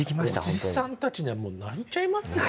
おじさんたちにはもう泣いちゃいますよ。